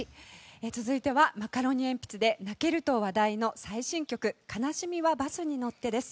続いてはマカロニえんぴつで泣けると話題の最新曲「悲しみはバスに乗って」です。